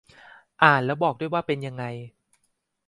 อ่านแล้วบอกด้วยว่าเป็นยังไง